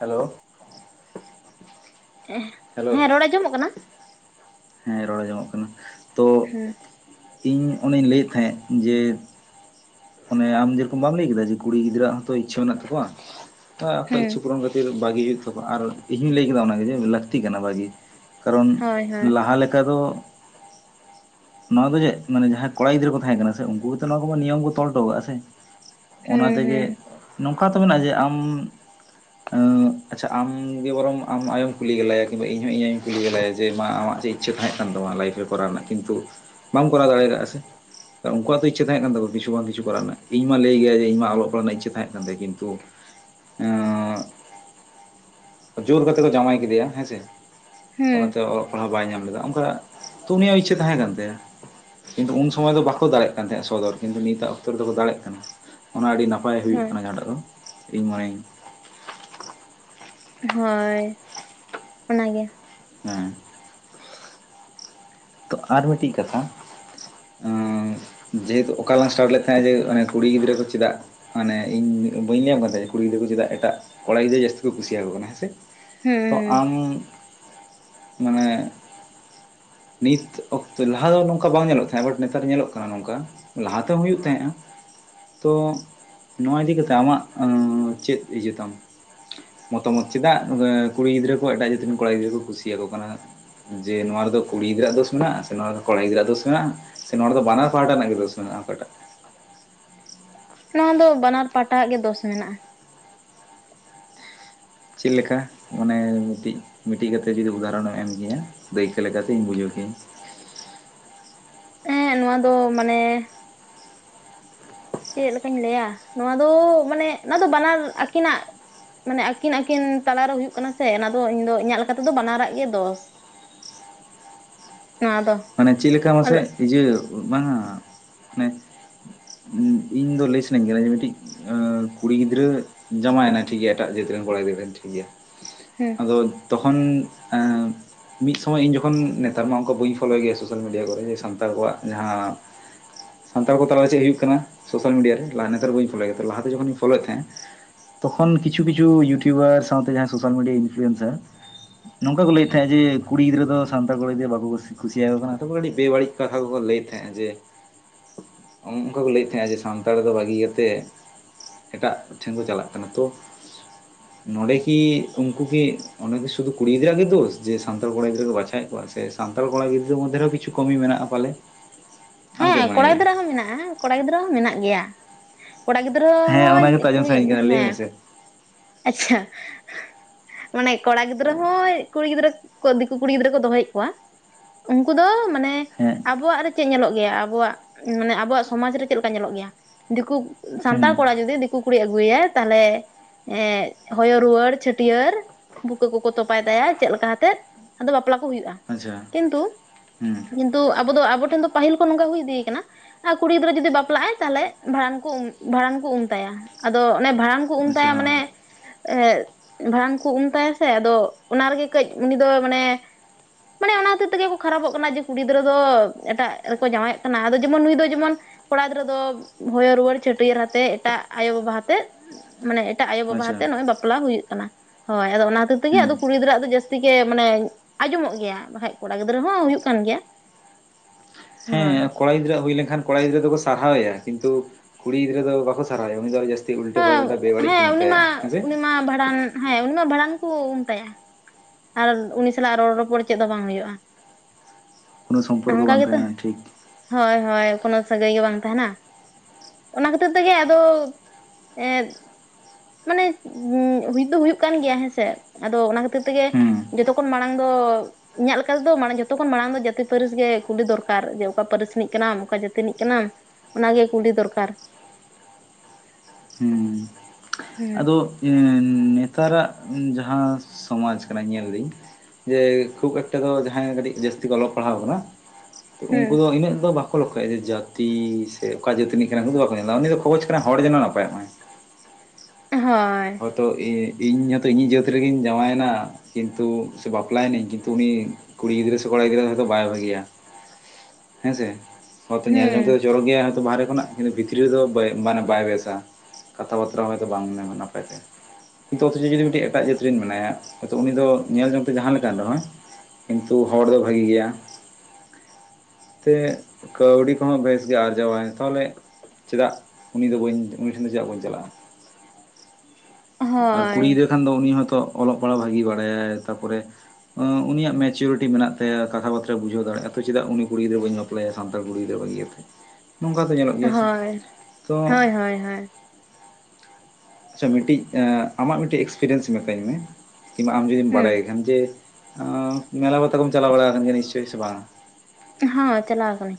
Hello ᱮᱸᱦ, hello ᱦᱮᱸ ᱨᱚᱲ ᱟᱸᱡᱚᱢᱚᱜ ᱠᱟᱱᱟ? ᱦᱮᱸ ᱨᱚᱲ ᱟᱸᱡᱚᱢᱚᱜ ᱠᱟᱱᱟ ᱛᱚ ᱦᱩᱸ ᱤᱧ ᱚᱱᱮᱧ ᱞᱟᱹᱭᱮᱫ ᱛᱟᱸᱦᱮᱫ ᱡᱮ ᱚᱱᱮ ᱟᱢ ᱡᱮᱨᱚᱠᱚᱢ ᱵᱟᱢ ᱞᱟᱹᱭ ᱠᱮᱫᱟ ᱡᱮ ᱠᱩᱲᱤ ᱜᱤᱫᱽᱨᱟᱹ ᱦᱚᱸᱛᱚ ᱤᱪᱪᱷᱟᱹ ᱢᱮᱱᱟᱜ ᱛᱟᱠᱚᱣᱟᱝ, ᱦᱟᱸ ᱟᱠᱚᱣᱟᱜ ᱦᱩᱸ ᱤᱪᱷᱟᱹ ᱯᱩᱨᱩᱱ ᱠᱟ- ᱛᱤᱨ ᱵᱟᱜᱤ ᱦᱩᱭᱩᱜ ᱛᱟᱠᱚᱣᱟ ᱟᱨ ᱤᱧ ᱦᱩᱧ ᱞᱟᱹᱭ ᱠᱮᱫᱟ ᱚᱱᱟᱜᱮ ᱡᱮ ᱞᱟᱹᱠᱛᱤ ᱠᱟᱱᱟ ᱵᱟᱜᱤ ᱠᱟᱨᱚᱱ ᱦᱳᱭ ᱦᱳᱭ ᱞᱟᱦᱟ ᱞᱮᱠᱟ ᱫᱚ ᱱᱚᱣᱟ ᱫᱚ ᱪᱮᱫ, ᱢᱟᱱᱮ ᱡᱟᱦᱟᱸᱭ ᱠᱚᱲᱟ ᱜᱤᱫᱽᱨᱟᱹ ᱠᱚ ᱛᱟᱦᱮᱸ ᱠᱟᱱᱟ ᱥᱮ ᱩᱱᱠᱩ ᱜᱮᱛᱚ ᱱᱚᱣᱟ ᱠᱚ ᱱᱤᱭᱚᱢ ᱠᱚ ᱛᱚᱞ ᱴᱚ ᱠᱟᱜ-ᱟ ᱥᱮ ᱚᱱᱟ ᱦᱩᱸ ᱛᱮᱜᱮ ᱦᱩᱸ ᱱᱚᱝᱠᱟ ᱦᱚᱸᱛᱚ ᱢᱮᱱᱟᱜ-ᱟ ᱡᱮ ᱟᱢ ᱟᱸ ᱟᱪᱪᱷᱟ ᱟᱻᱢ ᱜᱮ ᱵᱚᱨᱚᱢ ᱟᱢ ᱟᱭᱳᱢ ᱠᱩᱞᱤ ᱜᱮᱞᱟᱭᱟ, ᱠᱤᱸᱛᱩ ᱤᱧᱦᱚᱸ ᱤᱧ ᱟᱭᱳᱧ ᱠᱩᱞᱤ ᱜᱮᱞᱟᱭᱟ ᱡᱮ ᱢᱟ ᱟᱢᱟᱜ ᱪᱮᱫ ᱤᱪᱪᱟᱹ ᱛᱟᱸᱦᱮᱜ ᱠᱟᱱ ᱛᱟᱢᱟ ᱞᱟᱭᱤᱯᱷ ᱨᱮ ᱠᱚᱨᱟᱣ ᱨᱮᱱᱟᱜ ᱠᱤᱱᱛᱩ ᱵᱟᱢ ᱠᱚᱨᱟᱣ ᱫᱟᱲᱮᱭ ᱠᱟᱜ-ᱟ ᱥᱮ? ᱩᱱᱠᱩᱣᱟᱜ ᱦᱚᱸᱛᱚ ᱤᱪᱪᱷᱟᱹ ᱛᱟᱸᱦᱮᱜᱠᱟᱱ ᱛᱟᱠᱚ ᱠᱤᱷᱩ ᱵᱟᱝ ᱠᱤ ᱪᱷᱩ ᱠᱚᱨᱟᱣ ᱨᱮᱱᱟᱜ, ᱤᱧ ᱢᱟ ᱞᱟᱹᱭ ᱜᱮᱭᱟ ᱡᱮ ᱤᱧ ᱢᱟ ᱚᱞᱚᱜ ᱯᱟᱲᱦᱟᱜ ᱨᱮᱱᱟᱜ ᱤᱪᱪᱷᱟᱹ ᱛᱟᱦᱮᱸ ᱠᱟᱱ ᱛᱟᱭᱟ ᱠᱤᱱᱛᱩ ᱮᱸᱦ ᱡᱳᱨ ᱠᱟᱛᱮ ᱠᱚ ᱡᱟᱶᱟᱭ ᱠᱮᱫᱮᱭᱟ ᱦᱮᱸᱥᱮ ᱦᱩᱸ ᱚᱱᱟᱛᱮ ᱚᱞᱚᱜ ᱯᱟᱲᱦᱟᱣ ᱵᱟᱭ ᱧᱟᱢ ᱞᱮᱫᱟ ᱚᱱᱠᱟ ᱛᱚ ᱩᱱᱤᱭᱟᱜ ᱤᱪᱪᱷᱟᱹ ᱛᱟᱦᱮᱸ ᱠᱟᱱ ᱛᱟᱭᱟ᱾ ᱠᱤᱱᱛᱩ ᱩᱱ ᱥᱚᱢᱚᱭ ᱫᱚ ᱵᱟᱠᱚ ᱫᱟᱲᱮᱜ ᱠᱟᱱ ᱛᱟᱦᱮᱸᱫ ᱥᱚᱫᱚᱨ ᱠᱤᱱᱛᱩ ᱱᱤᱛᱟᱜ ᱚᱠᱛᱚ ᱨᱮᱫᱚᱠᱚ ᱫᱟᱲᱮᱜ ᱠᱟᱱᱟ ᱚᱱᱟ ᱟᱹᱰᱤ ᱱᱟᱯ ᱯᱟᱭ ᱦᱩᱭᱩᱜ ᱦᱳᱭ ᱠᱟᱱᱟ ᱡᱟᱦᱟᱸᱴᱟᱜ ᱫᱚ ᱤᱧ ᱢᱚᱱᱮᱧ ᱦᱳᱭ ᱚᱱᱟᱜᱮ ᱦᱮᱸ ᱛᱚ ᱟᱨ ᱢᱤᱫᱴᱤᱡ ᱠᱟᱛᱷᱟ ᱮᱸ ᱡᱮᱦᱮᱛᱩ ᱚᱠᱟ ᱞᱟᱝ ᱮᱥᱴᱟᱨᱴ ᱞᱮᱫ ᱛᱟᱦᱮᱸᱜ ᱡᱮ ᱚᱱᱮ ᱠᱩᱲᱤ ᱜᱤᱫᱽᱨᱟᱹ ᱠᱚ ᱪᱤᱫᱟᱜ ᱢᱟᱱᱮ ᱤᱧ ᱵᱟᱹᱧ ᱞᱟᱹᱭᱟᱢ ᱠᱟᱱ ᱛᱟᱦᱮᱸᱫ ᱠᱩᱲᱤ ᱜᱤᱫᱽᱨᱟᱹ ᱠᱚ ᱪᱮᱫᱟᱜ ᱮᱴᱟᱜ ᱠᱚᱲᱟ ᱜᱤᱫᱽᱨᱟᱹ ᱡᱟᱥᱛᱤ ᱠᱚ ᱠᱩᱥᱤᱭᱟᱠᱚ ᱠᱟᱱᱟ ᱦᱮᱸ ᱥᱮ ᱛᱚ ᱦᱩᱸ ᱟᱢ ᱢᱟᱱᱮ ᱱᱤᱛ ᱚᱠᱛᱮ ᱞᱟᱦᱟ ᱫᱚ ᱱᱚᱝᱠᱟ ᱵᱟᱝ ᱧᱮᱞᱚᱜ ᱛᱟᱦᱮᱸᱜ ᱵᱟᱴ ᱱᱮᱛᱟᱨ ᱧᱮᱞᱚᱜ ᱠᱟᱱᱟ ᱱᱚᱝᱠᱟ ᱞᱟᱦᱟ ᱛᱮᱦᱚᱸ ᱦᱩᱭᱩᱜ ᱛᱟᱦᱮᱸᱜᱼᱟ, ᱛᱚᱜ ᱱᱚᱣᱟ ᱤᱫᱤ ᱠᱟᱛᱮ ᱟᱢᱟᱜ ᱩᱸ ᱪᱮᱫ ᱤᱭᱟᱹ ᱛᱟᱢ? ᱢᱚᱛᱟᱢᱚᱛ ᱪᱮᱫᱟᱜ ᱠᱩᱲᱤ ᱜᱤᱫᱽᱨᱟᱹ ᱠᱚ ᱮᱴᱟᱜ ᱡᱟᱹᱛ ᱨᱮᱱ ᱠᱚᱲᱟ ᱜᱤᱫᱽᱨᱟᱹ ᱠᱚ ᱠᱩᱥᱤᱭᱟᱠᱚ ᱠᱟᱱᱟ? ᱡᱮ ᱱᱚᱣᱟ ᱨᱮᱫᱚ ᱠᱩᱲᱤ ᱜᱤᱫᱟᱹᱨᱟᱜ ᱫᱳᱥ ᱢᱮᱱᱟᱜ-ᱟ ᱥᱮ ᱱᱚᱣᱟᱨᱮ ᱫᱚ ᱠᱚᱲᱟ ᱜᱤᱫᱟᱹᱨᱟᱜ ᱫᱳᱥ ᱢᱮᱱᱟᱜ-ᱟ ᱥᱮ ᱱᱚᱰᱮ ᱫᱚ ᱵᱟᱱᱟᱨ ᱯᱟᱦᱴᱟ ᱨᱮᱱᱟᱜ ᱜᱮ ᱫᱳᱥ ᱢᱮᱱᱟᱜ-ᱟ ᱚᱠᱟᱴᱟᱜ? ᱱᱚᱣᱟ ᱫᱚ ᱵᱟᱱᱟᱨ ᱯᱟᱦᱴᱟ ᱦᱟᱜ ᱜᱮ ᱫᱚᱥ ᱢᱮᱱᱟᱜ-ᱟ᱾ ᱪᱮᱜ ᱞᱮᱠᱟ ᱚᱱᱮ ᱢᱤᱫᱴᱤᱡ ᱢᱤᱫᱴᱤᱡ ᱠᱟᱛᱮ ᱡᱩᱫᱤ ᱩᱫᱟᱦᱟᱨᱚᱱ ᱮᱢ ᱠᱤᱧᱟ ᱫᱟᱹᱭᱠᱟᱹ ᱞᱮᱠᱟᱛᱮᱧ ᱵᱩᱡᱟᱹᱣ ᱠᱤᱭᱟᱹᱧ᱾ ᱮᱸ ᱜ ᱱᱚᱣᱟ ᱫᱚ ᱢᱟᱱᱮ ᱪᱮᱜ ᱞᱮᱠᱟᱧ ᱞᱟᱹᱭᱟ ᱱᱚᱣᱟ ᱫᱚ ᱢᱟᱱᱮ ᱱᱚᱣᱟ ᱫᱚ ᱵᱟᱱᱟᱨ ᱟᱠᱤᱱᱟᱜ ᱢᱟᱱᱮ ᱟᱠᱤᱱ ᱟᱠᱤᱱ ᱛᱟᱞᱟᱨᱮ ᱦᱩᱭᱩᱜ ᱠᱟᱱᱟ ᱥᱮ ᱚᱱᱟ ᱫᱚ ᱤᱧᱫᱚ ᱤᱧᱟᱜ ᱞᱮᱠᱟ ᱛᱮᱫᱚ ᱵᱟᱱᱟᱨᱟᱜ ᱜᱮ ᱫᱳᱥ [inaudible] ᱱᱚᱣᱟ ᱫᱚ ᱢᱟᱱᱮ ᱪᱮᱫ ᱞᱮᱠᱟ ᱟᱫᱚ ᱢᱟᱥᱮᱜ ᱤᱭᱟᱹ ᱵᱟᱝᱟ ᱢᱟᱱᱮ ᱤᱧ ᱫᱚ ᱞᱟᱹᱭ ᱥᱟᱹᱱᱟᱹᱧ ᱠᱟᱱᱟ ᱡᱮ ᱢᱤᱴᱤᱡ ᱮ ᱠᱩᱲᱤ ᱜᱤᱫᱽᱨᱟᱹ ᱡᱟᱶᱟᱭ ᱮᱱᱟᱭ ᱴᱷᱤᱠ ᱜᱮᱭᱟ ᱮᱴᱟᱜ ᱡᱟᱹᱛ ᱨᱮᱱ ᱠᱚᱲᱟ ᱜᱤᱫᱽᱨᱟᱹ ᱴᱷᱮᱱ ᱴᱷᱤᱠ ᱜᱮᱭᱟ ᱦᱩᱸ ᱟᱫᱚ ᱛᱚᱠᱷᱚᱱ ᱢᱤᱫ ᱥᱚᱢᱚᱭ ᱤᱧ ᱡᱚᱠᱷᱚᱱ ᱱᱮᱛᱟᱨ ᱢᱟ ᱚᱱᱠᱟ ᱵᱟᱹᱧ ᱯᱷᱳᱞᱳᱭ ᱜᱮᱭᱟ ᱥᱳᱥᱟᱞ ᱢᱤᱰᱤᱭᱟ ᱠᱚᱨᱮ ᱡᱮ ᱥᱟᱱᱛᱟᱲ ᱠᱚᱣᱟᱜ ᱡᱟᱦᱟᱸ ᱥᱟᱱᱛᱟᱲ ᱠᱚ ᱛᱟᱞᱟᱨᱮ ᱪᱮᱜ ᱦᱩᱭᱩᱜ ᱠᱟᱱᱟ ᱥᱳᱥᱟᱞ ᱢᱤᱰᱤᱭᱟ ᱨᱮ ᱞᱟᱦ ᱱᱮᱛᱟᱨ ᱵᱟᱹᱧ ᱯᱷᱳᱞᱚᱭ ᱜᱮᱭᱟ ᱛᱚ ᱞᱟᱦᱟᱛᱮ ᱡᱚᱠᱷᱚᱱᱤᱧ ᱯᱷᱳᱞᱳ ᱭᱮᱫ ᱛᱟᱦᱮᱸᱫ ᱛᱚᱠᱷᱚᱱ ᱠᱤᱪᱷᱩ ᱠᱤᱪᱷᱩ ᱭᱩᱴᱩᱭᱩᱵᱟᱨ, ᱥᱟᱶᱛᱮ ᱡᱟᱦᱟᱸᱭ ᱥᱳᱥᱟᱞ ᱢᱤᱰᱤᱭᱟ ᱤᱱᱯᱷᱞᱩᱭᱮᱱᱥᱟᱨ ᱱᱚᱝᱠᱟ ᱠᱚ ᱞᱟᱹᱭ ᱛᱟᱦᱮᱸᱫ ᱡᱮ ᱠᱩᱲᱤ ᱜᱤᱫᱽᱨᱟᱹ ᱫᱚ ᱥᱟᱱᱛᱟᱲ ᱠᱚᱲᱟ ᱫᱤᱭᱟᱹ ᱵᱟᱠᱚ ᱠᱩᱥᱤᱜ, ᱠᱩᱥᱤᱭᱟᱠᱚ ᱠᱟᱱᱟ ᱛᱚᱵᱮ ᱠᱟᱹᱴᱤᱡ ᱵᱮᱵᱟᱹᱲᱤᱡ ᱠᱟᱛᱷᱟ ᱠᱚᱠᱚ ᱞᱟᱹᱭ ᱛᱮᱦᱮᱸᱜ-ᱟ ᱡᱮ ᱚᱝᱠᱟ ᱠᱚ ᱞᱟᱹᱭᱮᱫ ᱛᱟᱦᱮᱸᱫ-ᱟ ᱡᱮ ᱥᱟᱱᱛᱟᱲ ᱫᱚ ᱵᱟᱹᱜᱤ ᱭᱟᱛᱮᱜ ᱮᱴᱟᱜ ᱴᱷᱮᱱ ᱠᱚ ᱪᱟᱞᱟᱜ ᱠᱟᱱᱟ ᱛᱚ ᱱᱚᱰᱮ ᱠᱤ ᱩᱱᱠᱩ ᱠᱤ ᱚᱸᱰᱮᱜᱮ ᱥᱩᱫᱩ ᱠᱩᱲᱤ ᱜᱤᱫᱟᱹᱨᱟᱜ ᱜᱮ ᱫᱳᱥ ᱡᱮ ᱥᱟᱱᱛᱟᱲ ᱠᱚᱲᱟ ᱜᱤᱫᱽᱨᱟᱹ ᱠᱚ ᱵᱟᱪᱷᱟᱣᱮᱫ ᱠᱚᱣᱟ ᱥᱮ ᱥᱟᱱ ᱛᱟᱣᱲ ᱠᱚᱲᱟ ᱜᱤᱫᱽᱨᱟᱹ ᱢᱚᱫᱫᱷᱮ ᱨᱮᱦᱚᱸ ᱠᱤᱪᱷᱩ ᱠᱚᱢᱤ ᱢᱮᱱᱟᱜ-ᱟ ᱯᱟᱞᱮ? ᱟᱢ ᱪᱮᱫ ᱦᱮᱸ ᱢᱚᱱᱮ ᱠᱚᱲᱟ ᱜᱮᱭᱟ ᱜᱤᱫᱽᱨᱟᱹ ᱣᱟᱜ ᱦᱚᱸ ᱢᱮᱱᱟᱜᱼᱟ ᱠᱚᱲᱟ ᱜᱤᱫᱽᱨᱟᱹ ᱣᱟᱟ ᱦᱚᱸ ᱢᱮᱱᱟᱜ ᱜᱮᱭᱟ ᱾ ᱠᱚᱲᱟ ᱜᱤᱫᱽᱨᱟᱹ ᱦᱮᱸ ᱦᱚᱸ ᱚᱱᱟ ᱜᱮᱛᱚ ᱟᱸᱡᱚᱢ ᱠᱩᱲᱤ ᱦᱮᱸ, ᱥᱟᱱᱟᱧ ᱠᱟᱱᱟ ᱞᱟᱹᱭ ᱢᱮᱥᱮ ᱟᱪᱷᱟ ᱾ ᱢᱟᱱᱮ ᱠᱚᱲᱟ ᱜᱤᱫᱽᱨᱟᱹ ᱦᱚᱸᱭ ᱠᱩᱲᱤ ᱜᱤᱫᱽᱨᱟᱹ ᱫᱤᱠᱩ ᱠᱩᱲᱤ ᱜᱤᱫᱽᱨᱟᱹ ᱠᱚ ᱫᱚᱦᱚᱭᱮᱫ ᱠᱚᱣᱟ ᱾ ᱩᱱᱠᱩ ᱫᱚ ᱢᱟᱼᱼ ᱢᱟᱱᱮ ᱦᱮᱸ ᱟᱵᱚᱣᱟᱜ ᱨᱮ ᱪᱮᱫ ᱧᱮᱞᱚᱜ ᱜᱮᱭᱟ ᱟᱵᱚᱣᱟᱜ, ᱢᱟᱱᱮ ᱟᱵᱚᱣᱟᱜ ᱥᱚᱢᱟᱡᱽ ᱨᱮ ᱪᱮᱫ ᱞᱮᱠᱟ ᱧᱮᱞᱚᱜ ᱜᱮᱭᱟ ᱾ ᱫᱤᱠᱩ ᱦᱩᱸ ᱥᱟᱱᱛᱟᱲ ᱠᱚᱲᱟ ᱡᱩᱫᱤ ᱫᱤᱠᱩ ᱠᱩᱲᱤᱭ ᱟᱹᱜᱩᱭᱟᱭ ᱛᱟᱦᱚᱞᱮᱼᱼ ᱮᱸᱜ ᱦᱚᱭᱚ ᱨᱩᱣᱟᱹᱲ ᱪᱷᱟᱹᱴᱭᱟᱹᱨ ᱵᱩᱠᱟᱹ ᱠᱚᱠᱚ ᱛᱚᱯᱟᱭ ᱛᱟᱭᱟ ᱪᱮᱫ ᱞᱮᱠᱟ ᱦᱟᱛᱮᱫ ᱾ ᱟᱫᱚ ᱵᱟᱯᱞᱟ ᱠᱚ ᱦᱩᱭᱩᱜᱼᱟ ᱟᱪᱪᱷᱟ ᱠᱤᱱᱛᱩ, ᱦᱩᱸ ᱠᱤᱱᱛᱩ ᱟᱵᱚ ᱫᱚ ᱟᱵᱚ ᱴᱷᱮᱱ ᱫᱚᱼᱼ ᱯᱟᱹᱦᱤᱞ ᱠᱚ ᱱᱚᱝᱠᱟ ᱦᱩᱭ ᱤᱫᱤᱭ ᱟᱠᱟᱱᱟ ᱾ ᱟᱨ ᱠᱩᱲᱤ ᱜᱤᱫᱽᱨᱟᱹ ᱡᱩᱫᱤ ᱵᱟᱯᱞᱟᱜ ᱟᱭ ᱛᱟᱦᱚᱞᱮ ᱵᱷᱟᱸᱲᱟᱱ ᱠᱚ ᱵᱷᱟᱸᱲᱟᱱ ᱠᱚ ᱩᱢ ᱛᱟᱭᱟ ᱟᱫᱚ ᱚᱱᱮ ᱵᱸᱷᱟᱲᱟᱱᱼᱼ ᱠᱚ ᱩᱢ ᱟᱪᱪᱷᱟ ᱛᱟᱭᱟ ᱦᱚᱸ ᱢᱟᱱᱮᱼᱼ ᱮᱫ ᱵᱷᱟᱸᱲᱟᱱ ᱠᱚ ᱩᱢᱛᱟᱭᱟ ᱥᱮ ᱟᱫᱚ ᱚᱱᱟ ᱨᱮᱜᱮ ᱠᱟᱹᱡ ᱩᱱᱤ ᱫᱚ ᱢᱟᱱᱮᱼᱼ ᱢᱟᱱᱮ ᱚᱱᱟ ᱛᱤ ᱛᱮᱜᱮ ᱠᱚ ᱠᱷᱟᱨᱟᱵᱚᱜ ᱠᱟᱱᱟ ᱡᱮ ᱠᱩᱲᱤ ᱜᱤᱫᱽᱨᱟᱹ ᱫᱚ ᱮᱴᱟᱜᱼᱼ ᱨᱮᱠᱚ ᱡᱟᱶᱟᱭᱚᱜ ᱠᱟᱱᱟ ᱟᱫᱚ ᱡᱮᱢᱚᱱ ᱱᱩᱭ ᱫᱚ ᱡᱮᱢᱚᱱᱼᱼ ᱠᱚᱲᱟ ᱜᱤᱫᱽᱨᱟᱹ ᱫᱚ ᱦᱚᱭᱚ ᱨᱩᱣᱟᱹᱲ ᱪᱷᱟᱹᱴᱭᱟᱹᱨ ᱦᱟᱛᱮᱫ ᱮᱴᱟᱜ ᱟᱭᱳᱼᱵᱟᱵᱟ ᱦᱟᱛᱮᱫᱼᱼ ᱢᱟᱱᱮ ᱮᱴᱟᱜ ᱟᱭᱳᱼᱵᱟ ᱟᱪᱪᱷᱟ ᱟᱛᱮᱜ ᱱᱚᱜᱼᱚᱭ ᱵᱟᱯᱞᱟ ᱦᱩᱭᱩᱜ ᱠᱟᱱᱟ, ᱦᱳᱭ ᱟᱫᱚ ᱚᱱᱟ ᱠᱷᱟ. ᱛᱤᱨ ᱛᱮᱜᱮ ᱦᱩᱸ ᱟᱫᱚ ᱠᱩᱲᱤ ᱜᱤᱫᱽᱨᱟᱹ ᱟᱜ ᱫᱚ ᱡᱟᱹᱥᱛᱤᱼᱼ ᱛᱤᱜᱮ ᱢᱟᱱᱮ ᱟᱸᱡᱚᱢᱚᱜ ᱜᱮᱭᱟ ᱵᱟᱠᱷᱟᱡ ᱠᱚᱲᱟ ᱜᱤᱫᱽᱨᱟᱹ ᱦᱚᱸ ᱦᱩᱭᱩᱜ ᱠᱟᱱ ᱜᱮᱭᱟ ᱾ ᱦᱮᱸᱻ ᱾ ᱠᱚᱲᱟ ᱜᱤᱫᱽᱨᱟᱹ ᱦᱩᱭ ᱞᱮᱱᱠᱷᱟᱱ ᱠᱚᱲᱟ ᱜᱤᱫᱽᱨᱟᱹ ᱫᱚᱠᱚ ᱥᱟᱨᱦᱟᱣᱮᱭᱟ ᱠᱤᱱᱛᱩ ᱠᱩᱲᱤ ᱜᱤᱫᱽᱨᱟᱹ ᱫᱚ ᱵᱟᱠᱚ ᱥᱟᱨᱦᱟᱣᱮᱭᱟ ᱩᱱᱤ ᱫᱚ ᱡᱟᱥᱼᱼ ᱛᱤ ᱩᱞᱴᱟᱹ ᱦᱮᱸ ᱯᱟᱞᱴᱟ ᱵᱮ ᱵᱟᱹᱲᱤᱡ ᱠᱚ ᱦᱮᱸ ᱩᱱᱤ ᱢᱮᱛᱟᱭᱟ ᱢᱟ ᱦᱮᱸᱥᱮ ᱾ ᱩᱱᱤ ᱢᱟ ᱵᱷᱟᱲᱟᱱᱼᱼ ᱦᱮᱸ ᱩᱱᱤ ᱫᱚ ᱵᱷᱟᱲᱟᱱ ᱠᱚ ᱩᱢ ᱛᱟᱭᱟ ᱟᱨ ᱩᱱᱤ ᱥᱟᱞᱟᱜ ᱨᱚᱲ ᱨᱚᱯᱚᱲ ᱪᱮᱫ ᱫᱚ ᱵᱟᱝ ᱦᱳᱭᱳᱜᱼᱟ ᱠᱳᱱᱳ ᱥᱚᱢᱯᱚᱨᱠᱚ ᱵᱟᱝ ᱛᱟᱦᱮᱱᱟ ᱴᱷᱤᱠ ᱦᱚᱭ ᱦᱚᱭ ᱠᱳᱱᱳ ᱥᱟᱹᱜᱟᱹᱭ ᱜᱮ ᱵᱟᱝ ᱛᱟᱦᱮᱱᱟ ᱚᱱᱟ ᱠᱷᱟᱹᱛᱤᱨ ᱛᱮᱜᱮ ᱟᱫᱚ ᱮᱸᱫ ᱢᱟᱱᱮ ᱦᱩᱭ ᱫᱚ ᱦᱩᱭᱩᱜ ᱠᱟᱱ ᱜᱮᱭᱟ ᱦᱮᱸᱥᱮ ᱟᱫᱚ ᱚᱱᱟ ᱠᱷᱟᱹᱛᱤᱨ ᱛᱮᱜᱮ ᱦᱩᱸ ᱡᱚᱛᱚ ᱠᱷᱚᱱᱚᱱ ᱢᱟᱲᱟᱝ ᱫᱚ ᱤᱧᱟᱹᱜ ᱞᱮᱠᱟ ᱛᱮᱫᱚ ᱢᱟᱲᱟᱝ ᱡᱚᱛᱚᱠᱷᱚᱱ ᱠᱷᱚᱱ ᱢᱟᱲᱟᱝ ᱫᱚ ᱡᱟᱹᱛᱤ ᱯᱟᱹᱨᱤᱥ ᱜᱮ ᱠᱩᱞᱤ ᱫᱚᱨᱠᱟᱨ ᱡᱮ ᱚᱠᱟ ᱯᱟᱹᱨᱤᱥ ᱨᱤᱱᱤᱡ ᱠᱟᱱᱟᱢ ᱚᱠᱟ ᱡᱟᱹᱛᱤ ᱨᱤᱱᱤᱡ ᱠᱟᱱᱟᱢ ᱚᱱᱟᱜᱮ ᱠᱩᱞᱤ ᱫᱚᱨᱠᱟᱨ ᱦᱚᱸ ᱦᱩᱸ ᱟᱫᱚ ᱱᱮᱛᱟᱨᱟᱜ ᱡᱟᱦᱟᱸ ᱥᱚᱢᱟᱡ ᱠᱟᱱᱟ ᱧᱮᱞᱫᱟᱹᱧ ᱡᱮ ᱠᱷᱩᱵ ᱮᱠᱴᱟ ᱫᱚ ᱡᱟᱦᱟᱸᱭ ᱠᱟᱹᱴᱤᱡ ᱡᱟᱹᱥᱛᱤ ᱠᱚ ᱚᱞᱚᱜ ᱯᱟᱲᱦᱟᱣ ᱠᱟᱱᱟ ᱦᱩᱸ ᱩᱱᱠᱩ ᱫᱚ ᱤᱱᱟᱹᱜ ᱫᱚ ᱵᱟᱠ ᱠᱚ ᱞᱚᱠᱷᱚᱭᱮᱜᱟ ᱡᱮ ᱡᱟᱛᱤ ᱥᱮ ᱚᱠᱟ ᱡᱟᱹᱛᱤ ᱨᱤᱱᱤᱡ ᱠᱟᱱᱟ ᱩᱱᱠᱩ ᱫᱚ ᱵᱟᱠᱚ ᱧᱮᱞ ᱮᱫᱟ ᱩᱱᱤ ᱫᱚ ᱠᱷᱚᱡ ᱠᱟᱱᱟᱭ ᱦᱚᱲ ᱡᱮᱱᱚ ᱱᱟᱯᱟᱭᱚᱜ ᱢᱟᱭ ᱦᱚᱭ ᱛᱚ ᱤᱧ ᱦᱚᱛᱚ ᱤᱧᱤᱡ ᱡᱟᱹᱛ ᱨᱮᱜᱮᱧ ᱡᱟᱶᱟᱭᱮᱱᱟ ᱠᱤᱱᱛᱩ ᱥᱮ ᱵᱟᱯᱞᱟᱭᱮᱱᱟᱹᱧ ᱠᱤᱱᱛᱩ ᱩᱱᱤ ᱠᱩᱲᱤ ᱜᱤᱫᱽᱨᱟᱹ ᱥᱮ ᱠᱚᱲᱟ ᱜᱤᱫᱽᱨᱟᱹ ᱦᱚᱭᱛᱚ ᱵᱟᱭ ᱵᱷᱟᱹᱜᱤᱭᱟ ᱦᱮᱸᱥᱮ ᱦᱚᱭᱛᱚ ᱧᱮᱞ ᱡᱚᱝ ᱦᱩᱸ ᱛᱮᱫᱚ ᱪᱚᱨᱚᱠ ᱜᱮᱭᱟᱢ ᱡᱚᱛᱚ ᱵᱟᱦᱮᱨᱮ ᱠᱷᱚᱱᱟᱜ ᱠᱤᱱᱛᱩ ᱵᱷᱤᱛᱨᱤ ᱨᱮ ᱫᱚ ᱢᱟᱱᱮ ᱵᱟᱭ ᱵᱮᱥᱟ ᱠᱟᱛᱷᱟ ᱵᱟᱛᱨᱟ ᱦᱚᱭᱛᱚ ᱵᱟᱝ [unintelligible] ᱠᱤᱱᱛᱩ ᱚᱛᱷᱪᱚ ᱡᱩᱫᱤ ᱢᱤᱫᱴᱤᱡ ᱮᱴᱟᱜ ᱡᱟᱹᱛ ᱨᱮᱱ ᱢᱮᱱᱟᱭᱟ ᱩᱱᱤ ᱫᱚ ᱧᱮᱞ ᱡᱚᱝᱛᱮ ᱡᱟᱦᱟᱸ ᱞᱮᱠᱟᱱ ᱨᱮᱦᱚᱸᱭ ᱠᱤᱱᱛᱩ ᱦᱚᱲ ᱫᱚ ᱵᱷᱟᱜᱤ ᱜᱮᱭᱟ ᱛᱮ ᱠᱟᱹᱣᱰᱤ ᱠᱚᱦᱚᱸ ᱵᱮᱥ ᱜᱮ ᱟᱨᱡᱟᱣᱟᱭ ᱛᱟᱦᱚᱞᱮ ᱪᱮᱫᱟᱜ ᱩᱱᱤ ᱫᱚ ᱵᱟᱹᱧ ᱩᱱᱤ ᱴᱷᱮᱱ ᱫᱚ ᱪᱮᱫᱟ ᱵᱟᱹᱧ ᱪᱟᱞᱟᱜᱼᱟ ᱟᱨ ᱠᱩᱲᱤ ᱦᱳᱭ ᱜᱤᱫᱽᱨᱟᱹ ᱠᱷᱟᱱ ᱫᱚ ᱩᱱᱤ ᱦᱚᱛᱳ ᱚᱞᱚᱜ ᱯᱟᱲᱦᱟᱣ ᱵᱷᱟᱜᱤ ᱵᱟᱲᱟᱭᱟᱭ ᱛᱟᱯᱚᱨᱮ ᱩᱱᱤᱭᱟᱜ ᱢᱮᱪᱩᱨᱤᱴᱤ ᱢᱮᱱᱟᱜ ᱛᱟᱭᱟ ᱠᱟᱛᱷᱟ ᱵᱟᱛᱨᱟ ᱵᱩᱡᱷᱟᱹᱣ ᱫᱟᱲᱮᱼᱟ ᱛᱚ ᱪᱮᱫᱟᱜ ᱩᱱᱤ ᱠᱩᱲᱤ ᱜᱤᱫᱽᱨᱟᱹ ᱧᱟᱹᱧ ᱵᱟᱯ ᱟᱞᱮ ᱥᱟᱱᱛᱟᱲ ᱠᱩᱲᱤ ᱜᱤᱫᱽᱨᱟᱹ ᱵᱟᱹᱜᱤᱭᱟᱛᱮ ᱱᱚᱝᱠᱟ ᱛᱚ ᱧᱮᱞᱚᱜ ᱜᱮᱭᱟ ᱥᱮ ᱛᱚ ᱦᱚᱭ ᱦᱚᱭ ᱟᱪᱪᱷᱟ ᱢᱤᱫᱴᱤᱡ ᱟᱢᱟᱜ ᱢᱤᱫᱴᱤᱡ ᱮᱠᱥᱯᱮᱨᱤᱭᱮᱱᱥ ᱢᱤᱛᱟᱹᱧ ᱢᱮ ᱠᱤᱢᱵᱟ ᱟᱢ ᱡᱩᱫᱤᱢ ᱵᱟᱲᱟᱭ ᱦᱩᱸ ᱜᱮ ᱠᱷᱟᱱ ᱡᱮ ᱢᱮᱞᱟ ᱯᱟᱛᱟ ᱠᱚᱢ ᱪᱟᱞᱟᱣ ᱵᱟᱲᱟ ᱟᱠᱟᱱ ᱜᱮᱭᱟ ᱱᱤᱥᱪᱳᱭ ᱥᱮ ᱵᱟᱝ ᱦᱚᱸ ᱞᱟᱞᱟᱣ ᱠᱟᱹᱱᱟᱹᱧ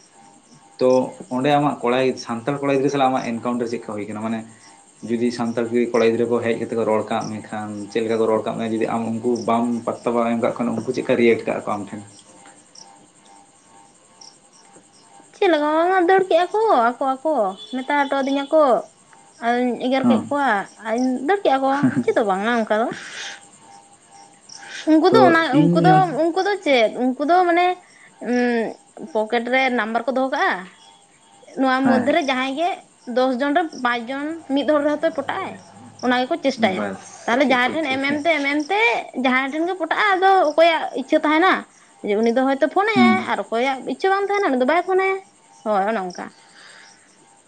ᱛᱚ ᱚᱸᱰᱮ ᱟᱢᱟᱜ ᱠᱚᱲᱟ ᱭᱤᱡ ᱥᱟᱱᱛᱟᱲ ᱠᱚᱲᱟ ᱜᱤᱫᱽᱨᱟᱹ ᱥᱟᱞᱟᱜ ᱟᱢᱟᱜ ᱤᱱᱠᱟᱭᱩᱱᱴᱟᱨ ᱪᱮᱜ ᱠᱟ ᱦᱩᱭ ᱠᱟᱱᱟ ᱢᱟᱱᱮ ᱡᱩᱫᱤ ᱥᱟᱱᱛᱟᱲ ᱠᱩᱜᱤ ᱠᱚᱲᱟ ᱜᱤᱫᱽᱨᱟᱹ ᱠᱚ ᱦᱮᱡ ᱠᱟᱛᱮ ᱠᱚ ᱨᱚᱲ ᱠᱟᱜ ᱢᱮᱠᱷᱟᱱ ᱪᱮᱜ ᱞᱮᱠᱟ ᱠᱚ ᱨᱚᱲ ᱠᱟᱜ ᱢᱮᱭᱟ ᱡᱩᱫᱤ ᱟᱢ ᱩᱱᱠᱩ ᱵᱟᱢ ᱚ ᱵᱟ ᱮᱢ ᱠᱟᱜ ᱠᱷᱟᱱ ᱩᱱᱠᱩ ᱪᱮᱜ ᱠᱟ ᱨᱤᱭᱮᱴ ᱠᱟᱜᱼᱟ ᱠᱚ ᱟᱢ ᱴᱷᱮᱱ ᱪᱮᱜ ᱞᱮᱠᱟ ᱵᱟᱝ ᱟ ᱫᱟᱹᱲ ᱠᱮᱜᱼᱟ ᱠᱚ ᱟᱠᱚ ᱟᱠᱚ ᱢᱮᱛᱟ ᱦᱚᱴᱚ ᱟᱹᱫᱤᱧᱟ ᱠᱚ ᱟᱫᱚᱧ ᱮᱜᱮᱨ ᱠᱮᱜ ᱦᱮᱸ ᱠᱚᱣᱟ [unintelligible] ᱫᱟᱹᱲ ᱠᱮᱜ ᱟ ᱠᱚ ᱪᱮᱫ ᱫᱚ ᱵᱟᱝᱟ ᱚᱝᱠᱟ ᱫᱚ ᱩᱱᱠᱩ ᱫᱚ ᱛᱚ ᱚᱱᱟ ᱩᱱᱠᱩ ᱤᱧ ᱫᱚ ᱩᱱᱠᱩ ᱫᱚ ᱪᱮᱫ ᱩᱱᱠᱩ ᱫᱚ ᱢᱟᱱᱮ ᱯᱚᱠᱮᱴ ᱨᱮ ᱱᱟᱢᱵᱟᱨ ᱠᱚ ᱫᱚᱦᱚ ᱠᱟᱜᱼᱟ ᱱᱚᱣᱟ ᱢᱚᱫᱫᱷᱮ ᱦᱮᱸ ᱨᱮ ᱡᱟᱦᱟᱸᱭ ᱜᱮ ᱫᱚᱥ ᱡᱚᱱ ᱨᱮ ᱯᱟᱸᱪ ᱡᱚᱱ ᱢᱤᱫ ᱦᱚᱲ ᱨᱮᱦᱚᱸᱛᱚᱭ ᱯᱚᱴᱟᱜ ᱟᱭ ᱚᱱᱟ ᱜᱮᱠᱚ ᱪᱮᱥᱴᱟᱭᱟ ᱵᱟᱥ ᱛᱟᱦᱚᱞᱮ ᱴᱷᱤᱠ ᱡᱟᱦᱟᱸᱭ ᱴᱷᱤᱠ ᱴᱷᱮᱱ ᱴᱷᱤᱠ ᱮᱢ ᱮᱢ ᱦᱮᱸ ᱛᱮ ᱮᱢ ᱮᱢ ᱛᱮ ᱡᱟᱦᱟᱸᱭ ᱴᱷᱮᱱ ᱜᱮ ᱯᱚᱴᱟᱜ ᱟ ᱟᱫᱚ ᱚᱠᱚᱭᱟᱜ ᱤᱪᱪᱷᱟᱹ ᱛᱟᱦᱮᱱᱟ ᱡᱮ ᱩᱱᱤ ᱫᱚ ᱦᱚᱭᱛᱚ ᱯᱷᱳᱱᱟ ᱦᱩᱸ ᱟᱨ ᱚᱠᱚᱭᱟᱜ ᱤᱪᱪᱷᱟᱹ ᱵᱟᱝ ᱛᱟᱦᱮᱱᱟ ᱩᱱᱤ ᱫᱚ ᱵᱟᱭ ᱯᱷᱳᱱᱟᱭᱟ ᱦᱚᱭ ᱚᱱᱮ ᱚᱱᱠᱟ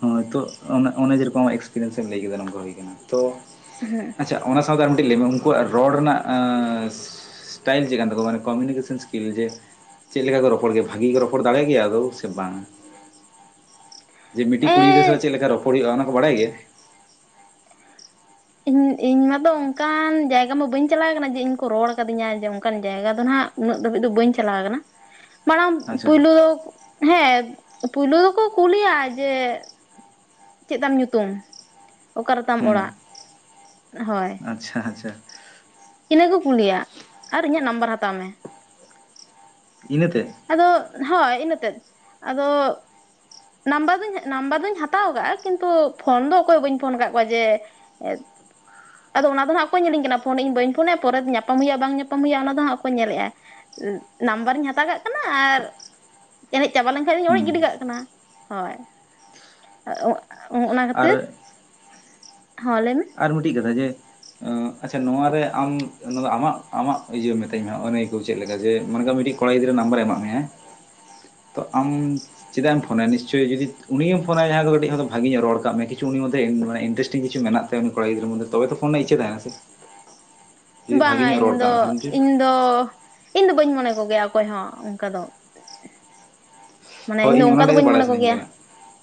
ᱦᱚᱸᱭ ᱛᱚᱜ ᱚᱱᱮ ᱚᱱᱮ ᱡᱮᱨᱚᱠᱚᱢ ᱮᱥᱯᱨᱤᱭᱮᱱᱥ ᱮᱢ ᱞᱟᱹᱭ ᱠᱮᱫᱟ ᱱᱚᱝᱠᱟ ᱦᱩᱭ ᱠᱟᱱᱟ ᱛᱚ ᱦᱩᱸ ᱟᱪᱪᱷᱟ ᱚᱱᱟ ᱥᱟᱶᱛᱮ ᱟᱨ ᱢᱤᱜᱴᱤᱡ ᱞᱟᱹᱭ ᱢᱮ ᱩᱱᱠᱩᱣᱟᱜ ᱨᱚᱲ ᱨᱮᱱᱟᱜ ᱤᱥᱴᱟᱭᱤᱞ ᱪᱮᱜᱠᱟᱱ ᱛᱟᱠᱚᱣᱟ ᱢᱟᱱᱮ ᱠᱚᱢᱤᱱᱤᱠᱮᱥᱮᱱ ᱤᱥᱠᱤᱞ ᱡᱮ ᱪᱮᱫ ᱞᱮᱠᱟ ᱠᱚ ᱨᱚᱯᱚᱲ ᱜᱮᱭᱟ ᱵᱷᱟᱜᱤ ᱜᱮ ᱨᱚᱯᱚᱲ ᱫᱟᱲᱮᱭᱟᱜ ᱜᱮᱭᱟ ᱟᱫᱳᱣ ᱥᱮ ᱵᱟᱝ ᱡᱮ ᱢᱤᱜᱴᱤᱡ ᱮ ᱠᱩᱲ ᱜᱤᱫᱽᱨᱟᱹ ᱥᱟᱞᱟᱜ ᱪᱮᱜ ᱞᱮᱠᱟ ᱨᱚᱯᱚᱲ ᱦᱩᱭᱩᱜᱼᱟ ᱚᱱᱟ ᱠᱚ ᱵᱟᱲᱟᱭ ᱜᱮᱭᱟ ᱤᱧ ᱤᱧ ᱢᱟᱛᱚ ᱚᱱᱠᱟᱱ ᱡᱟᱭᱜᱟ ᱢᱟ ᱵᱟᱹᱧ ᱪᱟᱞᱟᱣ ᱠᱟᱱᱟ ᱡᱮ ᱤᱧ ᱠᱚ ᱨᱚᱲ ᱠᱟᱹᱫᱤᱧᱟ ᱡᱮ ᱚᱱᱠᱟᱱ ᱡᱟᱭᱜᱟ ᱫᱚ ᱱᱟᱸᱜ ᱩᱱᱟᱹᱜ ᱫᱷᱟᱹᱵᱤᱡ ᱫᱚ ᱵᱟᱹᱧ ᱪᱟᱞᱟᱣ ᱟᱠᱟᱱᱟ [inaudible] ᱢᱟᱲᱟᱝ ᱟᱪᱪᱷᱟ ᱯᱩᱭᱞᱩ ᱫᱚᱠᱚ ᱦᱮᱸ ᱯᱩᱭᱞᱩ ᱫᱚᱠᱚ ᱠᱩᱞᱤᱭᱟ ᱡᱮ ᱪᱮᱜ ᱛᱟᱢ ᱧᱩᱛᱩᱢ ᱚᱠᱟ ᱨᱮᱛᱟᱢ ᱚᱲᱟᱜ ᱦᱩᱸ ᱦᱚᱭ ᱟᱪᱪᱷᱟ ᱟᱪᱪᱷᱟ ᱤᱱᱟᱹ ᱠᱚ ᱠᱩᱞᱤᱭᱟ ᱟᱨ ᱤᱧᱟᱹᱜ ᱱᱟᱢᱵᱟᱨ ᱦᱟᱛᱟᱣ ᱢᱮ ᱾ ᱤᱱᱟᱹᱛᱮᱜ ᱟᱫᱚ ᱦᱳᱭ ᱤᱱᱟᱹᱛᱮᱫ ᱟᱫᱚ ᱱᱟᱢᱵᱟᱨ ᱫᱩᱧ ᱱᱟᱢᱵᱟᱨ ᱫᱩᱧ ᱦᱟᱛᱟᱣ ᱟᱠᱟᱜ ᱟ ᱠᱤᱱᱛᱩ ᱯᱷᱳᱱ ᱫᱚ ᱚᱠᱚᱭ ᱦᱚᱸ ᱵᱟᱹᱧ ᱯᱷᱳᱱ ᱠᱟᱜ ᱠᱚᱣᱟ ᱡᱮ ᱮᱫ ᱟᱫᱚ ᱚᱱᱟ ᱫᱚ ᱦᱟᱸᱜ ᱠᱚᱭ ᱧᱮᱞᱤᱧ ᱠᱟᱱᱟ ᱯᱷᱳᱱ ᱮᱜᱤᱧ ᱵᱟᱹᱧ ᱯᱷᱳᱱᱟᱭ ᱯᱚᱨᱮ ᱛᱮ ᱧᱟᱯᱟᱢ ᱦᱩᱭᱩᱜᱼᱟ ᱵᱟᱝ ᱧᱟᱯᱟᱢ ᱦᱩᱭᱩᱜᱼᱟ ᱚᱱᱟ ᱫᱚ ᱦᱟᱸᱜ ᱠᱚᱭ ᱧᱮᱞᱮᱜᱼᱟ ᱱᱟᱢᱵᱟᱨᱮᱧ ᱦᱟᱛᱟᱣ ᱠᱟᱜ ᱠᱟᱱᱟ ᱟᱨ ᱮᱱᱮᱡ ᱪᱟᱵᱟ ᱞᱮᱱᱠᱷᱟᱜ ᱫᱩᱧ ᱚᱲᱮᱡ ᱜᱤᱰᱤ ᱦᱩᱸ ᱠᱟᱜ ᱠᱟᱱᱟ ᱦᱚᱭ ᱾ ᱚᱱᱟ ᱟᱨ ᱠᱷᱟᱹᱛᱤᱨ ᱦᱚᱸ ᱞᱟᱹᱭ ᱢᱮ ᱟᱨ ᱢᱤᱜᱴᱤᱡ ᱠᱟᱛᱷᱟ ᱡᱮ ᱟᱪᱪᱷᱟ ᱱᱚᱣᱟ ᱨᱮ ᱟᱢ ᱱᱚᱣᱟ ᱫᱚ ᱟᱢᱟᱜ ᱟᱢᱟᱜ ᱤᱡᱟᱹᱢ ᱢᱤᱛᱟᱹᱧ ᱢᱮ ᱦᱚᱜ ᱟᱹᱱᱟᱹᱭᱠᱟᱹᱣ ᱪᱮᱜ ᱞᱮᱠᱟ ᱡᱮ ᱢᱚᱱᱮᱠᱟᱜ ᱢᱮ ᱢᱤᱜᱴᱤᱡ ᱠᱚᱲᱟ ᱜᱤᱫᱽᱨᱟᱹ ᱱᱟᱢᱵᱟᱨᱮ ᱮᱢᱟᱜ ᱢᱮᱭᱟᱭ ᱛᱚ ᱟᱢ ᱪᱮᱫᱟᱜ ᱮᱢ ᱯᱷᱳᱱᱟᱭᱟ ᱱᱤᱥᱪᱳᱭ ᱡᱩᱫᱤ ᱩᱱᱤᱜᱮᱢ ᱯᱷᱳᱱᱟᱭᱟ ᱡᱟᱦᱟᱸᱭ ᱫᱚ ᱠᱟᱹᱴᱤᱡ ᱦᱚᱸᱭ ᱛᱚ ᱵᱷᱟᱜᱤᱧᱚᱜ ᱨᱚᱲ ᱠᱟᱜ ᱢᱮᱭᱟ ᱠᱤᱪᱷᱩ ᱩᱱᱤ ᱢᱚᱫᱫᱷᱮ ᱤᱱ ᱢᱟᱱᱮ ᱤᱱᱴᱨᱮᱥᱴᱤᱝ ᱠᱤᱪᱷᱩ ᱢᱮᱱᱟᱜ ᱛᱟᱭᱟ ᱩᱱᱤ ᱠᱚᱲᱟ ᱜᱤᱫᱽᱨᱟᱹ ᱢᱩᱫ ᱨᱮ ᱛᱚᱵᱮ ᱛᱚ ᱯᱷᱳᱱᱟᱜ ᱤᱪᱪᱷᱟᱹ ᱛᱟᱦᱮᱱᱟ ᱥᱮ ᱡᱩᱫᱤ ᱵᱟᱝ ᱵᱷᱟᱜᱮ ᱟ ᱧᱚᱜ ᱤᱧ ᱨᱚᱲ ᱠᱟᱜ ᱫᱚ ᱢᱮ ᱠᱷᱟᱱ ᱤᱧ ᱫᱚ ᱤᱧ ᱫᱚ ᱵᱟᱹᱧ ᱢᱚᱱᱮ ᱠᱚ ᱜᱮᱭᱟ ᱚᱠᱚᱭ ᱦᱚᱸ ᱚᱝᱠᱟ ᱫᱚ ᱢᱟᱱᱮ ᱦᱳᱭ ᱤᱧ ᱫᱚ ᱚᱱᱠᱟ ᱫᱚ ᱚᱱᱟᱴᱟᱜ ᱜᱮ ᱵᱟᱹᱧ ᱵᱟᱲᱟᱭ ᱢᱚᱱᱮ ᱠᱚ ᱥᱟᱱᱟᱧ ᱜᱮᱭᱟ ᱠᱟᱱᱟ ᱾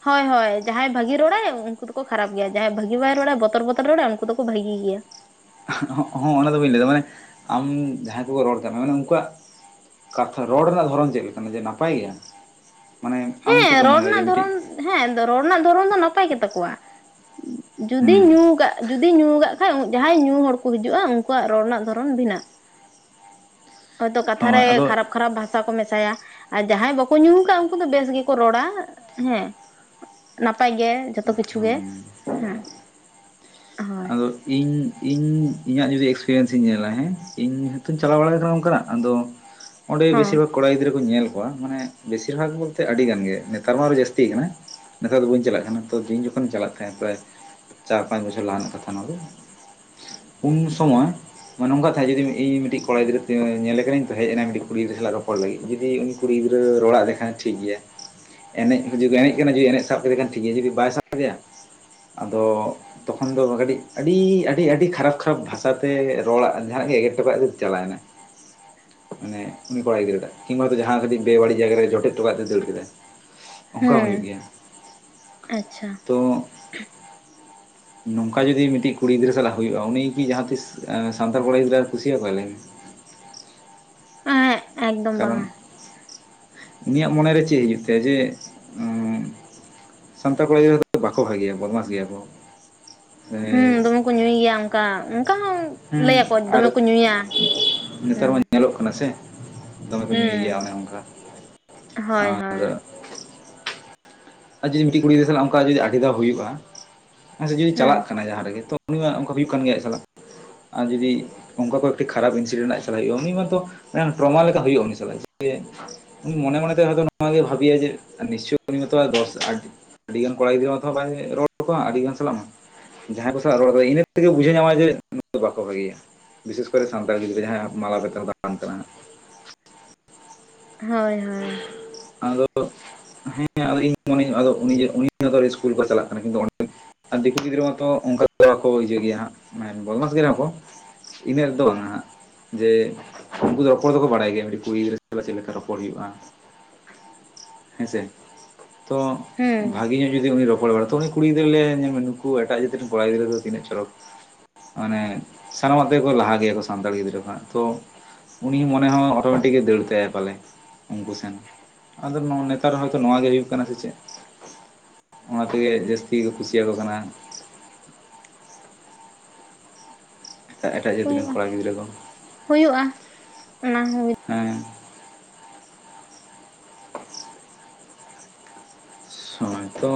ᱦᱚᱭ ᱦᱚᱭ ᱡᱟᱦᱟᱸᱭ ᱵᱷᱟᱹᱜᱤ ᱨᱚᱲᱟᱭ ᱩᱱᱠᱩ ᱫᱚᱠᱚ ᱠᱷᱟᱨᱟᱯ ᱜᱮᱭᱟ ᱡᱟᱦᱟᱸᱭ ᱵᱷᱟᱹᱜᱤ ᱵᱟᱭ ᱨᱚᱲᱟ ᱵᱚᱛᱚᱨ ᱵᱚᱛᱚᱨ ᱮ ᱨᱚᱲᱟ ᱩᱱᱠᱩ ᱫᱚᱠᱚ ᱵᱷᱟᱹᱜᱤ ᱜᱮᱭᱟ ᱾ ᱦᱚᱸ ᱚᱱᱟ ᱫᱚ ᱵᱟᱹᱧ ᱞᱟᱹᱭ ᱫᱟ ᱢᱟᱱᱮ ᱟᱢ ᱡᱟᱦᱟᱸᱭ ᱠᱚᱠᱚ ᱨᱚᱲ ᱠᱟᱜ ᱢᱮᱭᱟ ᱢᱟᱱᱮ ᱩᱱᱠᱩᱣᱟᱜ ᱠᱟᱛᱷᱟ ᱨᱚᱲ ᱨᱮᱱᱟᱜ ᱫᱷᱚᱨᱚᱱ ᱪᱮᱜ ᱞᱮᱠᱟᱱᱟ ᱡᱮ ᱱᱟᱯᱟᱭ ᱜᱮᱭᱟ ᱢᱟᱱᱮ ᱟᱢ ᱦᱮᱸ ᱪᱮᱜᱠᱟᱢ ᱨᱚᱲ ᱢᱚᱱᱮᱭ ᱫᱟ ᱡᱮ ᱨᱮᱱᱟᱜ ᱢᱤᱜᱴᱤᱡ ᱫᱷᱚᱨᱚᱱ ᱦᱮᱸ ᱨᱚᱲ ᱨᱮᱱᱟᱜ ᱫᱷᱚᱨᱚᱢ ᱫᱚ ᱱᱟᱯᱟᱭ ᱜᱮᱛᱟ ᱠᱚᱣᱟ ᱡᱩᱫᱤ ᱦᱩᱸ ᱧᱩ ᱠᱟᱜ ᱡᱩᱫᱤ ᱧᱩ ᱠᱟᱜ ᱠᱷᱟᱡ ᱡᱟᱦᱟᱸᱭ ᱧᱩ ᱦᱚᱲ ᱠᱚ ᱦᱤᱡᱩᱜᱼᱟ ᱩᱝᱠᱩᱣᱟᱜ ᱨᱚᱲ ᱨᱮᱱᱟᱜ ᱫᱷᱚᱨᱚᱱ ᱵᱷᱤᱱᱟᱹ ᱦᱚᱭᱛᱚ ᱠᱟᱛᱷᱟ ᱨᱮ ᱦᱳᱭ ᱟᱫᱚ ᱠᱷᱟᱨᱟᱯ ᱠᱷᱟᱨᱟᱯ ᱵᱷᱟᱥᱟ ᱠᱚ ᱢᱮᱥᱟᱭᱟ ᱟᱨ ᱡᱟᱦᱟᱸᱭ ᱵᱟᱠᱚ ᱧᱩ ᱠᱟᱜ ᱟ ᱩᱱᱠᱩ ᱫᱚ ᱵᱮᱥ ᱜᱮᱠᱚ ᱨᱚᱲᱟ ᱦᱮᱸ ᱱᱟᱯᱟᱭ ᱜᱮ ᱡᱷᱚᱛᱚ ᱠᱤᱪᱷᱩ ᱜᱮ ᱦᱩᱸ ᱦᱮᱸ ᱦᱳᱭ ᱛᱚ ᱤᱧ ᱤᱧ ᱤᱧᱟᱹᱜ ᱡᱩᱫᱤ ᱮᱥᱯᱨᱤᱭᱮᱱᱥ ᱤᱧ ᱧᱮᱞᱟ ᱦᱮᱸ ᱤᱧ ᱦᱚᱸᱛᱩᱧ ᱪᱟᱞᱟᱣ ᱵᱟᱲᱟ ᱟᱠᱟᱱᱟ ᱚᱱᱠᱟᱱᱟᱜ ᱟᱫᱚ ᱚᱸᱰᱮ ᱵᱮᱥᱤᱨ ᱦᱚᱸ ᱵᱷᱟᱜ ᱠᱚᱲᱟ ᱜᱤᱫᱽᱨᱟᱹ ᱠᱚ ᱧᱮᱞ ᱠᱚᱣᱟ ᱢᱟᱱᱮ ᱵᱮᱥᱤᱨ ᱵᱷᱟᱜ ᱵᱚᱞᱛᱮ ᱟᱹᱰᱤ ᱜᱟᱱ ᱜᱮ ᱱᱮᱛᱟᱨ ᱢᱟ ᱟᱨᱦᱚᱸ ᱡᱟᱥᱛᱤ ᱠᱟᱱᱟ᱾ ᱱᱮᱛᱟᱨ ᱫᱚ ᱵᱟᱹᱧ ᱪᱟᱞᱟᱜ ᱠᱟᱱᱟ ᱤᱧ ᱡᱚᱠᱷᱚᱱᱤᱧ ᱪᱟᱞᱟᱜ ᱛᱟᱦᱮᱸ ᱯᱨᱟᱭ ᱪᱟᱨ ᱯᱟᱸᱪ ᱵᱚᱪᱷᱚᱨ ᱞᱟᱦᱟ ᱨᱮᱱᱟᱜ ᱠᱟᱛᱷᱟ ᱚᱱᱟ ᱫᱚ ᱩᱱ ᱥᱚᱢᱚᱭ ᱱᱚ-ᱚᱭ ᱱᱚᱝᱠᱟ ᱠᱟᱛᱷᱟ ᱡᱩᱫᱤ ᱤᱧ ᱠᱚᱲᱟ ᱜᱤᱫᱽᱨᱟᱹ ᱧᱮᱞᱮ ᱠᱟᱱᱟᱹᱧ ᱛᱚ‌ ᱦᱮᱡ ᱮᱱᱟ ᱢᱤᱫᱴᱤᱡ ᱠᱩᱱᱤ ᱜᱤᱫᱽᱨᱟᱹ ᱥᱟᱞᱟᱜ ᱨᱚᱯᱚᱲ ᱞᱟᱹᱜᱤᱫ, ᱡᱩᱫᱤ ᱠᱩᱲᱤ ᱜᱤᱫᱽᱨᱟᱹ ᱨᱚᱲ‌-ᱟᱜ ᱞᱮᱠᱷᱟᱱ ᱴᱷᱤᱠ ᱜᱮᱭᱟ᱾ ᱮᱱᱮᱡ ᱡᱩᱫᱤ‌ᱠᱚ ᱮᱱᱮᱡ ᱠᱟᱱᱟ ᱡᱮ ᱮᱱᱮᱡ ᱥᱟᱵ ᱠᱮᱫᱮ ᱠᱷᱟᱱ ᱴᱷᱤᱠ ᱜᱮᱭᱟ ᱡᱩᱫᱤ ᱵᱟᱭ ᱥᱟᱵ ᱠᱮᱫᱮᱭᱟ᱾ ᱟᱫᱚ ᱛᱚᱠᱷᱚᱱ ᱫᱚ ᱠᱟᱹᱴᱤᱡ ᱟᱹᱰᱤ ᱟᱹᱰᱤ ᱠᱷᱟᱨᱟᱯ ᱵᱷᱟᱥᱟᱛᱮ ᱨᱚᱲᱟᱜ ᱡᱟᱦᱱᱟᱜ ᱜᱮ ᱮᱜᱮᱨ ᱦᱚᱴᱚᱜ ᱠᱟᱫ ᱛᱮ ᱪᱟᱞᱟᱣ‌ ᱮᱱᱟ᱾ ᱢᱟᱱᱮ ᱩᱱᱤ ᱠᱚᱲᱟᱭ ᱜᱤᱫᱨᱟᱹᱴᱟᱜ ᱠᱤᱝᱵᱟ ᱛᱳ ᱡᱟᱦᱟᱸ ᱨᱮ ᱠᱟᱹᱴᱤᱡ ᱵᱮ-ᱵᱟᱹᱲᱤᱢ ᱡᱟᱭᱜᱟ ᱨᱮ ᱡᱚᱴᱮᱫ‌‌ᱦᱚᱴᱚᱜ ‌ᱠᱟᱫ ᱛᱮ ᱫᱟᱹᱲ ᱠᱮᱫᱟᱭ᱾ ᱚᱱᱠᱟ ᱦᱩᱭᱩᱜ ᱦᱮᱸ ᱜᱮᱭᱟ ᱟᱪᱪᱷᱟ ᱛᱚ ᱱᱚᱝᱠᱟ ᱡᱩᱫᱤ ᱢᱤᱫᱴᱤᱡ ᱠᱩᱲᱤ ᱜᱤᱫᱽᱨᱟᱹ ᱥᱟᱞᱟᱜ ᱦᱩᱭᱩᱜᱼᱟ, ᱩᱱᱤᱜᱤ ᱠᱤ ᱡᱟᱦᱟᱸ ᱛᱤᱥ ᱥᱟᱱᱛᱟᱲ ᱠᱚᱲᱟ ᱜᱤᱫᱽᱨᱟᱹ ᱠᱩᱥᱤ ᱟᱠᱚᱣᱟ ᱞᱟᱹᱭ ᱮᱸ ᱮᱠᱫᱚᱢ ᱠᱟᱨᱚᱱ ᱵᱟᱝᱟ ᱩᱱᱤᱭᱟᱜ ᱢᱚᱱᱮ ᱨᱮ ᱪᱮᱫ ᱦᱩᱭᱩᱜ ᱛᱟᱭᱟ ᱡᱮ, ᱥᱟᱱᱛᱟᱲ ᱠᱚᱲᱟ ᱜᱤᱫᱽᱨᱟᱹ ᱵᱟᱠᱚ ᱵᱷᱟᱜᱮᱭᱟ ᱵᱚᱫᱢᱟᱥ ᱜᱮᱭᱟ ᱠᱚ ᱦᱩᱸ ᱫᱚᱢᱮ ᱠᱚ ᱧᱩᱭ ᱜᱮᱭᱟ ᱚᱱᱠᱟ ᱦᱚᱸ ᱦᱮᱸ ᱞᱟᱹᱭᱟᱠᱚ ᱟᱨ ᱫᱚᱢᱮ ᱠᱚ ᱧᱩᱭᱟ ᱱᱮᱛᱟᱨ ᱢᱟ ᱦᱩᱸ ᱧᱮᱞᱚᱜ ᱠᱟᱱᱟ ᱥᱮ, ᱫᱚᱢᱮ ᱠᱚ ᱧᱩᱭ ᱜᱮᱭᱟ ᱦᱩᱸ ᱚᱱᱮ ᱚᱱᱠᱟ ᱦᱳᱭ ᱦᱳᱭ ᱟᱨ ᱟᱨ ᱡᱩᱫᱤ ᱢᱤᱫᱴᱮᱱ ᱠᱩᱲᱤ ᱜᱤᱫᱽᱨᱟᱹ ᱥᱟᱞᱟᱜ ᱟᱹᱰᱤ ᱫᱷᱟᱣ ᱦᱩᱭᱩᱜ-ᱟ ᱦᱮᱸᱥᱮ ᱡᱩᱫᱤ ᱦᱩᱸ ᱪᱟᱞᱟᱜ ᱠᱟᱱᱟ ᱡᱟᱦᱟᱸ ᱨᱮᱜᱮ ᱛᱚ ᱩᱱᱤ ᱢᱟ ᱚᱱᱠᱟ ᱦᱩᱭᱩᱜ ᱠᱟᱱ ᱜᱮᱭᱟ ᱟᱡ ᱥᱟᱞᱟᱜ, ᱟᱨ ᱡᱩᱫᱤ ᱚᱱᱠᱟ ᱠᱚ ᱮᱠᱴᱤ ᱠᱷᱟᱨᱟᱯ ᱤᱱᱥᱤᱰᱮᱱᱴ ᱪᱟᱞᱟᱜ ᱦᱩᱭᱩᱜᱼᱟ, ᱩᱱᱤᱩ ᱢᱟᱛᱚ ᱰᱨᱚᱢᱟ ᱞᱮᱠᱟ ᱦᱩᱭᱩᱜᱼᱟ ᱩᱱᱤ ᱥᱟᱞᱟᱜ ᱢᱚᱱ ᱢᱚᱱᱮ ᱛᱮ ᱦᱚᱛᱚ ᱱᱚᱣᱟ ᱜᱮ ᱵᱷᱵᱤᱭᱟ ᱡᱮ ᱱᱤᱥᱪ ᱛᱚ ᱫᱚᱥ ᱟᱹᱰᱤ ᱜᱟᱱ ᱠᱚᱲᱟ ᱜᱤᱫᱽᱨᱟᱹ ᱛᱷᱚ ᱵᱟᱭ ᱨᱚᱲ ᱟᱠᱚᱣᱟ ᱟᱹᱰᱤ ᱜᱟᱱ ᱥᱟᱞᱟᱜ -ᱢᱟ ᱡᱟᱦᱟᱸᱭ ᱠᱚ ᱥᱟᱞᱟᱜ ᱨᱚᱲ ᱮᱫᱟ ᱤᱱᱟᱹ ᱛᱮᱜᱮ ᱵᱩᱡᱷᱟᱹᱣ ᱧᱟᱢᱟ ᱡᱮ ᱱᱩᱠᱩ ᱫᱚ ᱵᱟᱠᱚ ᱵᱷᱟᱜᱮᱭᱟ᱾ ᱵᱤᱥᱮᱥ ᱠᱚᱨᱮ ᱥᱟᱱᱛᱟᱲ ᱜᱤᱫᱽᱨᱟᱹ ᱡᱟᱦᱟᱸ ᱢᱟᱞᱟᱵᱟᱞᱟᱱ ᱦᱳᱭ ᱦᱳᱭ ᱟᱫᱚ ᱦᱮᱸ ᱟᱫᱚ ᱤᱧ ᱢᱚᱱᱮᱧ ᱟᱫᱚ ᱡᱮ ᱩᱱᱤ ᱟᱫᱚ ᱤᱥᱠᱩᱞ ᱠᱚ ᱪᱟᱞᱟᱜ ᱠᱟᱱᱟ ᱠᱤᱱᱛᱩ ᱚᱸᱰᱮ ᱟᱨ ᱫᱤᱠᱩ ᱜᱤᱫᱽᱨᱟᱹ ᱢᱟᱛᱚ ᱚᱱᱠᱟ ᱵᱟᱠᱚ ᱤᱭᱟ‌ᱹ ᱜᱮᱭᱟ ᱦᱟᱸᱜ ᱵᱚᱫᱢᱟᱥ ᱜᱮᱭᱟ ᱠᱚ ᱤᱱᱟᱹᱜ ᱫᱚ ᱱᱟᱦᱟᱜ ᱦᱟᱹᱜ ᱡᱮ ᱩᱱᱠᱩ ᱫᱚ ᱨᱚᱯᱚᱲ ᱫᱚᱠᱚ ᱵᱟᱲᱟᱭ ᱜᱮᱭᱟ ᱢᱤᱫᱴᱮᱱ ᱠᱩᱲᱤ ᱜᱤᱫᱽᱨᱟᱹ ᱥᱟᱞᱟᱜ ᱪᱮᱫ ᱞᱮᱠᱟ ᱨᱚᱯᱚᱲ᱾ ᱨᱚᱯᱚᱲ ᱦᱩᱭᱩᱜᱼᱟ ᱦᱮᱸᱥᱮ ᱛᱚ ᱦᱩᱸ ᱵᱷᱟᱜᱤ ᱧᱚᱜ ᱤᱡ ᱡᱩᱫᱤ ᱩᱱᱤ ᱨᱚᱯᱚᱲ ᱵᱟᱲᱟᱭ ᱛᱚ ᱩᱱᱤ ᱜᱤᱫᱽᱨᱟᱹ ᱞᱟᱹᱭ-ᱟ ᱧᱮᱞ ᱢᱮ ᱱᱩᱠᱩ ᱮᱴᱟᱜ ᱡᱟᱹᱛ ᱨᱮᱱ ᱠᱚᱲᱟ ᱜᱤᱫᱽᱨᱟᱹ ᱫᱚ ᱛᱤᱱᱟᱜ ᱪᱚᱨᱚᱠ ᱢᱟᱱᱮ ᱥᱟᱱᱟᱢᱟᱜ ᱛᱮᱜᱮ ᱠᱚ ᱞᱟᱦᱟ ᱜᱮᱭᱟ ᱠᱚ ᱥᱟᱱᱛᱟᱲ ᱜᱤᱫᱽᱨᱟᱹ ᱠᱷᱚᱱᱟᱜ ᱛᱚ ᱩᱱᱤ ᱢᱚᱱᱮ ᱦᱚᱸ ᱚᱴᱳᱢᱮᱴᱤᱠ ᱫᱟᱹᱲ ᱛᱟᱭᱟ ᱯᱟᱞᱮ ᱩᱱᱠᱩ ᱥᱮᱱ ᱟᱫᱚ ᱱᱮᱛᱟᱨ ᱦᱚᱭᱛᱳ ᱱᱚᱣᱟ ᱜᱮ ᱦᱩᱭᱩᱜ ᱠᱟᱱᱟ ᱥᱮ ᱪᱮᱫ? ᱚᱱᱟ ᱛᱮᱜᱮ ᱡᱟᱹᱥᱛᱤ ᱠᱚ ᱠᱩᱥᱤ ᱟᱠᱚ ᱠᱟᱱᱟ‍᱾ ᱮᱴᱟᱜ ᱮᱴᱟᱜ ᱡᱟᱹᱛ ᱨᱮᱱ ᱦᱩᱭᱩᱜᱼᱟ ᱠᱚᱲᱟ ᱜᱤᱫᱽᱨᱟᱹ ᱠᱚ᱾ ᱦᱩᱭᱩᱜᱼᱟ ᱚᱱᱟ ᱦᱚᱸ᱾ ᱦᱮᱸ [unintelligible] ᱫᱚᱭ ᱛᱚ